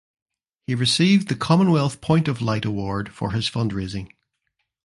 He received the Commonwealth Point of Light award for his fundraising.